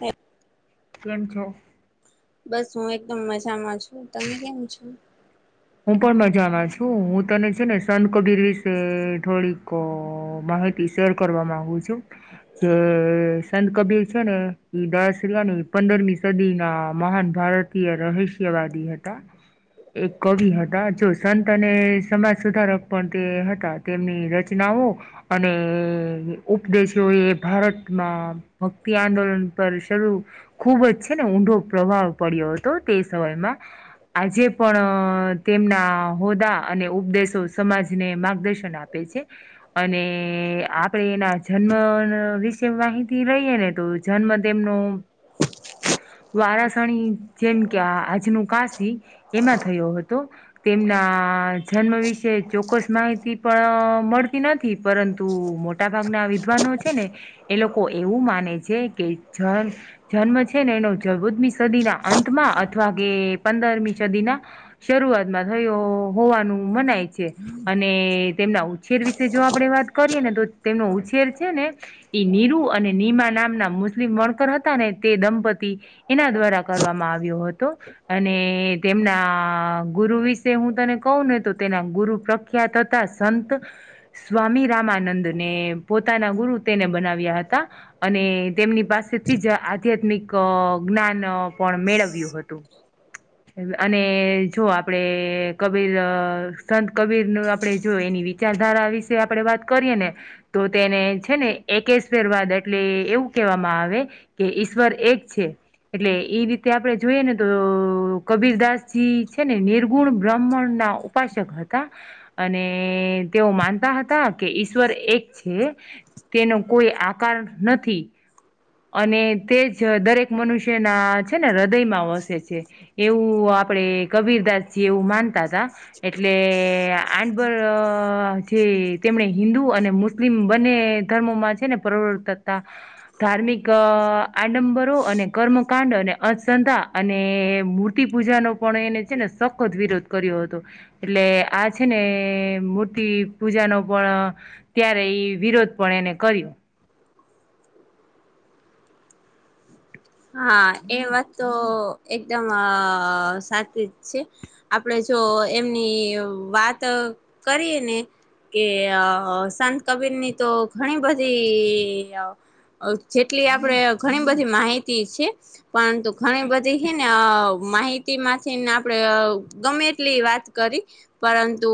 એમ કેમ છો? બસ હું એકદમ મજામાં છું તમે કેમ છો? હું પણ મજામાં છું હું તને છે ને સંત કબીર વિશે થોડીક માહિ શેર કરવા માંગુ છું. જે સંત કબીર છે ને ઈ દશિલા ની પંદરમી સદી ના મહાન ભારત ઈએ રહસ્યવાદી હતા. એક કવિ હતા જો સંત અને સમાજ સુધારક પણ તે હતા તેમની રચનાઓ અને ઉપદેશોએ ભારતમાં ભક્તિ આંદોલન પર શરૂ ખૂબ જ છે ને ઊંડો પ્રભાવ પડ્યો હતો તે સમયમાં આજે પણ તેમના હોદ્દા અને ઉપદેશો સમાજને માર્ગદર્શન આપે છે. અને આપડે એના જન્મ વિશે માહિતી રહીએ ને તો જન્મદેમનુ વારાસણી જેમ કે આ આજનું કાશી એમાં થયો હતો તેમના જન્મ વિશે ચોક્ક્સ માહિતી પણ મળતી નથી પરંતુ મો મોટા ભાગના વિદ્વાનો છે ને એ લોકો એવું માને છે કે જ જન્મ છે ને એનો ચૌદમી સદીના અંતમાં અથવા કે પંદરમી સદીના શરૂઆતમાં થયો હોવાનું મનાય છે અને તેમના ઉછેર વિશે જો આપણે વાત કરીએ ને તો તેનો ઉછેર છે ને ઈ નીરુ અને નીમા નામના મુસ્લિમ વણકર હતા ને તે દંપતી એના દ્વારા કરવામાં આવ્યો હતો અને તેમના ગુરુ વિશે હું તને કહું ને તો તેના ગુરુ પ્રખ્યાત હતા સંત સ્વામી રામાનંદ ને પોતાના ગુરુ તેને બનાવ્યા હતા. અને તેમની પાસેથી જ આધ્યાત્મિક જ્ઞાન પણ મેળવ્યું હતું અને જો આપણે કબીર સંત કબીરનું આપણે જો એની વિચારધારા વિશે આપણે વાત કરીએ ને તો તેને છે ને એકસેરવાદ એટલે એવું કેહેવામાં આવે કે ઈશ્વર એક છે. એટલે એ રીતે આપડે જોઈએ ને તો કબીરદાસજી છે ને નિર્ગુણ બ્રાહ્મણ ના ઉપાસક હતા. અને તેઓ માનતા હતા કે ઈશ્વર એક છે. તેનો કોઈ આકાર નથી. અને તે જ દરેક મનુષ્યના છે ને હૃદયમાં વસે છે. એવું આપડે કબીરદાસજી એવું માનતા હતા, એટલે આડબર જે તેમણે હિન્દુ અને મુસ્લિમ બંને ધર્મોમાં છે ને પરવર્ત ધાર્મિક આડમબરો અને કર્મકાંડ અને અંધશ્રદ્ધા. અને મૂર્તિ પૂજાનો પણ એને છે ને સખત વિરોધ કર્યો હતો. એટલે આ છે ને મૂર્તિ પૂજા નો પણ ત્યારે એઈ વિરોધ પણ એને કર્યો. હા, એ વાત તો એકદમ સાચી જ છે. આપડે જો એમની વાત કરીએ ને. કે અ સંત કબીરની તો ઘણી બધી અ જેટલી આપડે ઘણી બધી માહિતી છે. પરંતુ ઘણી બધી હે ને માહિતીમાંથી ને આપણેે ગમે એટલી વાત કરી. પરંતુ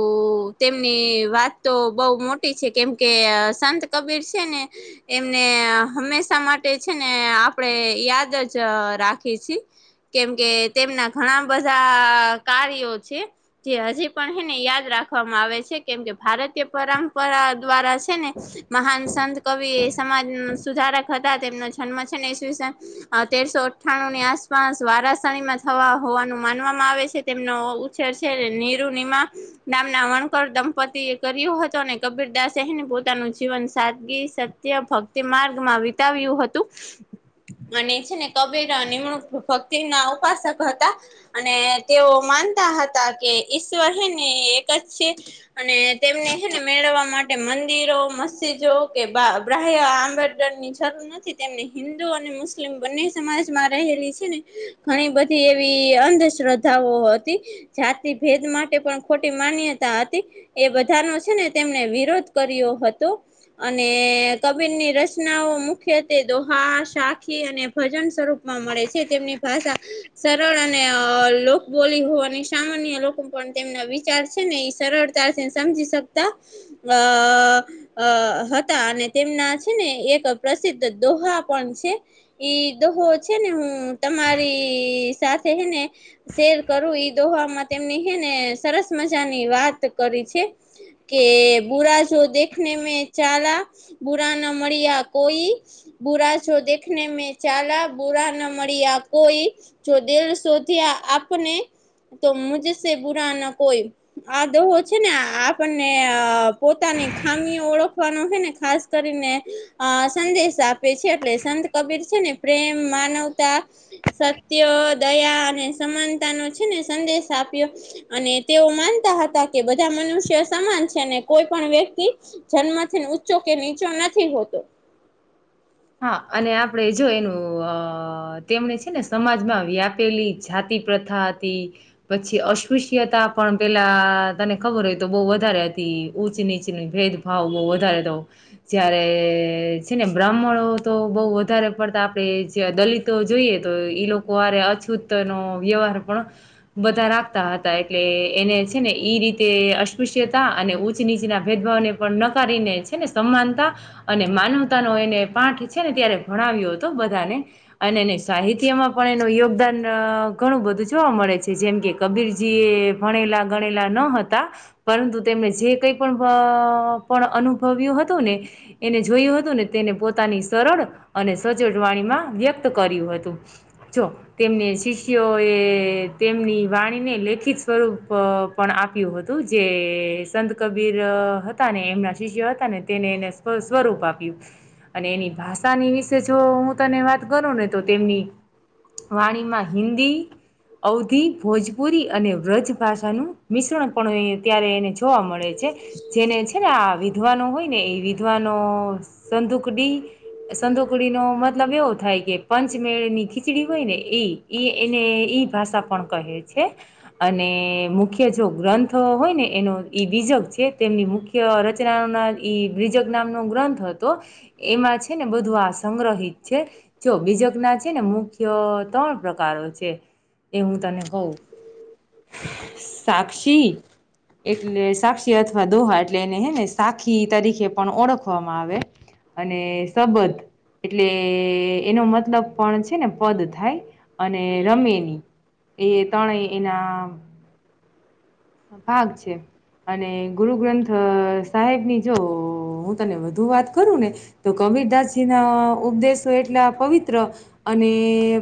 તેમની વાત તો બહુ મોટી છે કેમકે સંત કબીર છે ને એમને હંમેશા માટે છે ને આપડે યાદ જ રાખી છીએ. કેમ કે તેમના ઘણા બધા કાર્યો છે. જે હજી પણ હેને યાદ રાખવામાં આવે છે. કેમ કે ભારતીય પરંપરા દ્વારા છે ને મહાન સંત કવિ એ સમાજ સુધારક હતા. તેમનો જન્મ છે ને ઈસ્વીસન તેરસો અઠ્ઠાણુની આસપાસ વારાસણીમાં થવા હોવાનું માનવામાં આવે છે. તેમનો ઉત તો છે ને નીરુ નીમા નામના વણકર દંપતિ એ કર્યો હતો અને કબીરદાસને પોતાનું જીવન સાદગી સત ત્ય ભક્તિ માર્ગમાં વિતાવ્યું હતું. અને છે ને કબીર નિમણૂક ભક્તિના ઉપાસક હતા. અને તેઓ માનતા હતા કે ઈશ્વર હે ને એક જ છે. અને તેમને હેને મેળવવા માટે મંદિરો, મસ્જિદો કે બ્રાહ્ય આંબન ની જરૂર નથી તેમને હિન્દુ અને મુસ્લિમ બંને સમાજમાં રહેલી છે ને ઘણી બધી એવી અંધશ્રદ્ધાઓ હતી. જાતિ ભેદ માટે પણ ખોટી માન્યતા હતી. એ બધાનો છે ને તેમણે વિરોધ કર્યો હતો. અને કબીરની રચનાઓ મુખ્યત્વે દોહા શા આખી અને ભજન સ્વરૂપ માં મળે છે. તેમની ભાષા સરળ અને અ લોકબોલી હોવાની સામાન્ય લોકો પણ તેમના વિચાર છે ને ઈ સરળ તા ને સમજી શકતા અ અ હતા. અને તેમના છે ને એક પ્રસિદ્ધ દોહા પણ છે. ઈ દોહો છે ને હું તમારી સાથે છે હે ને શેર કરું ઈ દોહામાં તેમની હે ને સરસ મજાની વાત કરી છે. કે બુરા જો દેખને મે ચાલા. બુરા ન મળ્યા કોઈ બુરા જો દેખ ને મે ચાલા, બુરા ના મળીઆ કોઈ. જો દિલ શોધ્યા આપને. તો મુજસે બુરા ના કોઈ આ દોહો છે ને આપણને અ પોતાની ખામીઓ ઓળખવાનો હેને ખાસ કરીને આ સન્દેશ આપ છે. એટલે સંત કબીર છે ને પ્રેમ, માનવતા, સત્ય, દયા અને સમાનતા નો છે ને સંદેશ આપ્યો. અને તેઓ માનતા હતા કે બધા મનુષ્ય સમાન છે અને કોઈ પણ વ્યક્તિ જ જન્મથી ન ઊંચો કે નીચો નથી હોતો. હા, અને આપડે જો એનું અ અ તેમણે છે ને સમાજમાં વ્યાપેલી જાતિ પ્રથા હતી. પછી અસ્પૃશ્યતા પણ પેલા તને ખબર હોય તો વધારે હતી ઊંચ નીચની ભેદ. ભાવ બઉ વધારે તો, જયારે છે ને બ્રાહ્મણો [unintelligible] તો બઉ વધારે પડતા આપડે જે દલિતો જોઈએ તો ઈ લોકો આરે અછૂત નો વ્યવહાર પણ બધા રાખતા હતા. એટલે એને છે ને ઈ રીતે અસ્પૃશ્યતા અને ઊચ નીચના ભેદભાવને પણ નકારીને છે ને સમાનતા અને માનવતા નો એને પાઠ છે ને ત્યારે ભણાવ્યો હતો બધાને. અને એને સાહિત્યમાં પણ એનું યોગદાન ઘણું બધું જોવા મળે છે જેમ કે કબીરજી એ ભણેલા ગણેલા ન હતા. પરંતુ તેમણે જે કઈ પણ પ પણ અનુભવ્યું હતું ને. એને જોયું હતું ને તેને પોત પોતાની સરળ અને સજડ વાણીમાં વ્યક્ત કર્યું હતું. જો તેમને શિષ્યો એ તેમની વાણીને લેખિત સ્વરૂપ પણ આપ્યું હતું. જે સંત કબીર હતા ને એમના શિષ્ય હતા ને તેને એને [unintelligible] સ્વરૂપ આપ્યું. અને એની ભાષાની વિશે જો હું તને વાત કરું ને તો તેમની વાણી માં હિન્દી અવધી, ભોજપુરી, અને વ્રજ ભાષાનું મિશ્રણ પણઅહીં ત્યારે એને જોવા મળે છે. છે ને આ વિધવાનો હોયને એ વિધ્વાનો સંંદુકડી. સંધોકડીનો મતલબ એવો થાય કે પંચમેળ ની ખીચડી હોય ને એઈ. ઈ એને ઈ ભાષા પણ કહે છે. અને મુખ્ય જો ગ્રંથો હોય ને એનો ઈ બીજક છે. તેમની મુખ્ય રચાવનાર ઈ બ્રિજક નામનો ગ્રંથ હતો. એમાં છે ને બધું આ સંગ્રહિત છે. જો બીજક ના છે ને મુખ્ય ત્રણ પ્રકારો છે. એ હું તને કંઉ. સાક્ષી એટલે સાક્ષી અથવા દોહા એટલે એને હે ને સાખી તરીકે પણ ઓળખવામાં આવે. અને સબધ એટલે એનો મતલબ પણ છે ને પદ થાય અને રમેની એ ત્રણેય એના ભાગ છે અને ગુરુ ગ્રંથ સાહેબની જો હું તને વધુ વાત કરું ને તો કબીરદાસજી ના ઉપદેશો એટલા પવિત્ર અને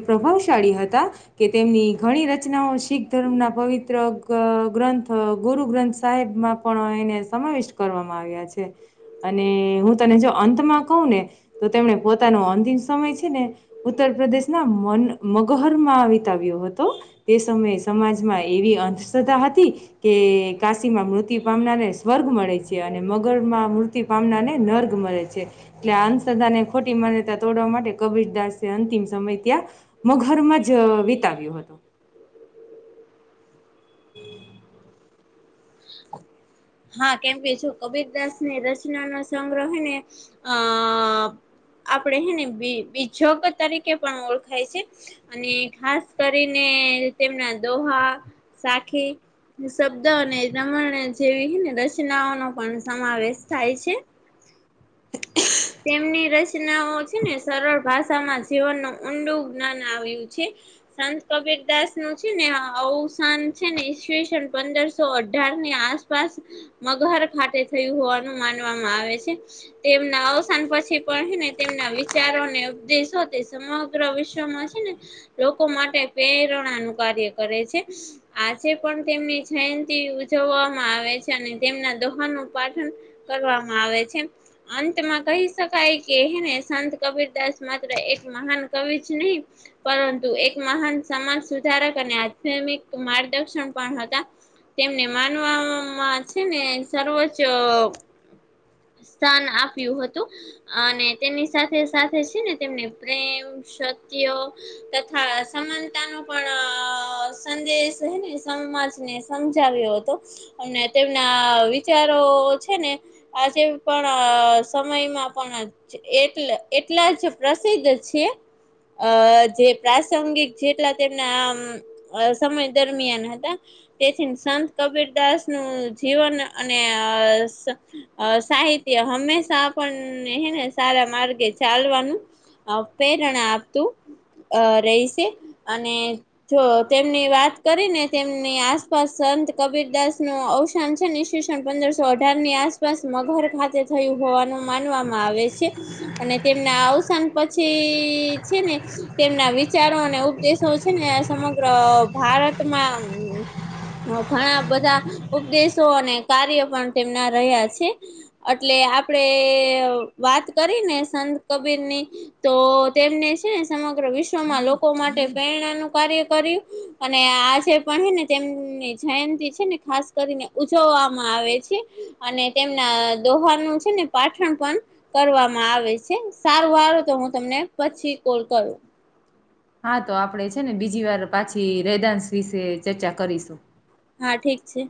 પ્રભાવશાળી હતા કે તેમની ઘણી રચનાઓ શીખ ધર્મના પવિત્ર [unintelligible] ગુરુ સાહેબ માં પણ એને સમાવિષ્ટ કરવામાં આવ્યા છે અને હું તને જો અંતમાં કહું ને તો તેમને પોતાનો અંતિમ સમય છે ને ઉત્તર પ્રદેશના મ [unintelligible] મગહરમાં વિતાવ્યો હતો સમયે એવી અંધધા કે કાશીમાં મૃત્યુ પામનારને સ્વર્ગ મળે છે અને મગરમાં મૃત પામનાને નર્ગ મળે છે એટલે અંશદાને ખોટી માન્યતા તોડવા માટે કબીરદાસ અંતિમ સમય ત્યાં મુ ઘરમાં જ અ વિતાવ્યું હતું. [inaudible] [unintelligible] હા કેમ કે જો કબીરદાસ ને રચના નો સંગ્રહને હેને અ આપડે હે ને બી બીછોક અ તરીકે પણ ઓળખાય છે. અને ખાસ કરીને તેમના દોહા સાખી શબ્દ અને [unintelligible] જેવીને રચનાઓનો પણ સમાવેશ થાય છે. તેમની રચનાઓ છે ને સરળ ભાષામાં જીવનનું ઊંડું જ્ઞાન આવ્યું છે. સંત કબીરદાસ નું છે ને અવ અવસાન છે ને ઈસવીસન પંદરસો અઢારની આસ પાસ મગર ખાતે થયું હોવાનું માનવામાં આવે છે તેમના નુકસાન પછી પણ હેને તેમના વિચારોને ઉપદેશો તે સમગ્ર વિશ્વમાં છે ને લોકો માટે પ્રેરણાનું કાર્ય કરે છે. આજે પણ તેમની જયંતિ ઉજવવામાં આવે છે અને તેમના દોહાનું પાઠન કરવામાં આવે છે અંતમાં કહી શકાય કે હેને સંત કબીરદાસ માત્ર એક મહાન કવિ જ નહી પરંતુ એક મહાન સમાજ સુધારક અને આધ્યામિક માર્ગદર્શન પણ હતા તેમને માનવામાં છે ને સર્વોચ્ચ સ્થાન આપ્યું હતું તુ અને તેની સાથે સાથે છે ને તેમને પ્રેમ સત્ય તથા સમાનતા નો પણ સંદેશ હે ને સમાજ ને સમજાવ્યો હતો અને તેમના વિચારો છે ને આજે પણ અ સમયમાં પણ એટલે એટલા જ. પ્રસિદ્ધ છે જે પ્રાસંગિક જેટલા તેમના અ સમય દરમિયાન હતા તેથી સંત કબીરદાસ નું જીવન અને અ સાહિત્ય હંમેશા તા પણ હે ને સારા માર્ગે ચાલવાનું અ પ્રેરણા આપતું અ રહીશે અને જો તેમની વાત કરી ને તેમની આસપાસ સંત કબીરદાસનુ અવ અવસાન છે ને ઈસવીસન પંદરસો અઢારની આસપાસ મગર ખાતે થયું. હોવાનું માનવામાં આવે છે. અને તેમના અવસાન પછી છે ને તેમના વિચારો અને ઉપદેશ તો છે ને સમગ્ર ભારતમાં ઘણા બધા ઉપદેશો અને કાર્ય પણ તેમના રહ્યા છે. અટલે આપડે વાત કરી ને સંત કબીરની તો તેમને છે ને સમગ્ર વિશ્વમાં લોકો માટે પ્રેરણાનું કાર્ય કર્યું અને આજે પણ હે ને તેમની જયંતિ છે ને ખાસ કરીને ઉજવવામાં આવે છે. અને તેમના દોહારનું છે ને પાઠણ પણ કરવામાં આવે સારું હાલો તો હું તમને પછી કોલ કરું. હા તો આપણેે છે ને બીજી વાર પાછી રેદાશ વિશે ચર્ચા કરીશું. હા ઠીક છે.